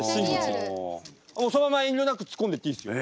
あっそのまま遠慮なく突っ込んでっていいですよ。